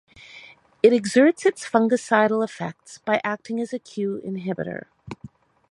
It exerts its fungicidal effects by acting as a Q inhibitor.